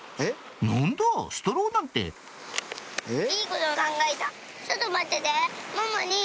「何だストローなんて」えっ？